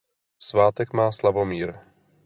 Svátek má Slavomír.